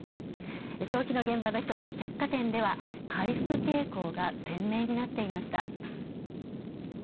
消費の現場の一つ、百貨店では回復傾向が鮮明になっていました。